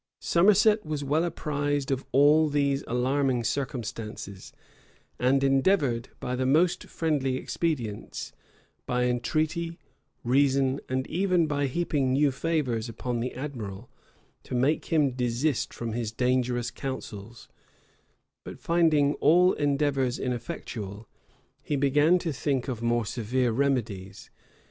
Somerset was well apprised of all these alarming circumstances, and endeavored, by the most friendly expedients, by entreaty, reason, and even by heaping new favors upon the admiral, to make him desist from his dangerous counsels: but finding all endeavors ineffectual, he began to think of more severe remedies.